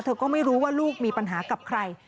เธอก็ไม่รู้ว่าลูกมีปัญหากับใคร